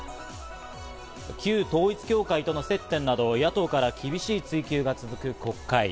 旧統一教会との接点など、野党から厳しい追及が続く国会。